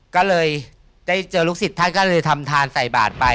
ก็เลยได้เจอลูกศิษย์ท่านก็เลยทำทานใส่บาทไป